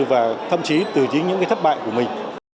và thậm chí từ chính những cái thất bại của mình